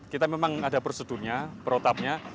kita memang ada prosedurnya perotapnya